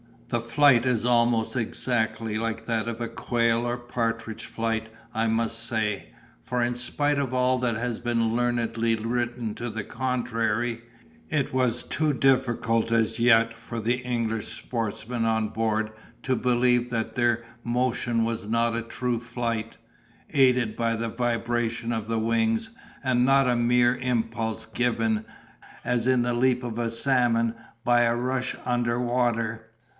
The flight is almost exactly like that of a quail or partridge flight I must say; for in spite of all that has been learnedly written to the contrary, it was too difficult as yet for the English sportsmen on board to believe that their motion was not a true flight, aided by the vibration of the wings, and not a mere impulse given (as in the leap of the salmon) by a rush under water.